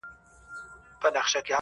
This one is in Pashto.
پاچاهان د يوه بل سيمو ته غله وه؛